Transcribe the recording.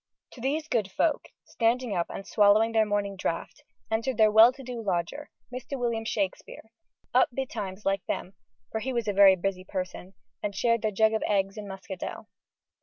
To these good folk, standing up and swallowing their morning draught, entered their well to do lodger, Mr. William Shakespeare, up betimes like them for he was a very busy person, and shared their jug of eggs and muscadel.